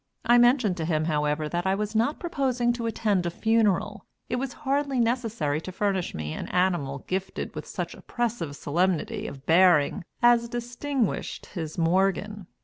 I mentioned to him, however, that I was not proposing to attend a funeral; it was hardly necessary to furnish me an animal gifted with such oppressive solemnity of bearing as distinguished his "Morgan."